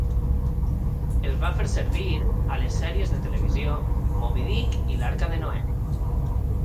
Es va fer servir a les sèries de televisió "Moby Dick" i "L'Arca de Noè".